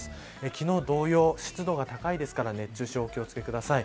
昨日同様、湿度が高いですから熱中症にお気を付けください。